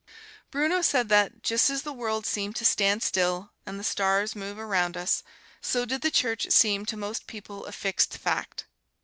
Bruno said that, just as the world seemed to stand still and the stars move around us, so did the Church seem to most people a fixed fact.